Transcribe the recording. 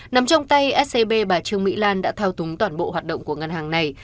nằm trong tay scb bà trương mỹ lan đã thao túng toàn bộ hoạt động của ngân hàng này